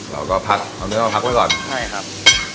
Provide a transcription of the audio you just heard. เราก็พักเอาเนื้อมาพักไว้ก่อนใช่ครับ